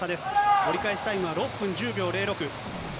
折り返しタイムは６分１０秒０６。